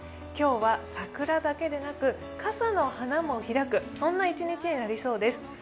今日は桜だけでなく傘の花も開く、そんな一日になりそうです。